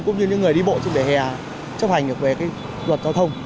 cũng như những người đi bộ trên bể hè chấp hành được về cái luật giao thông